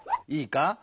いいか？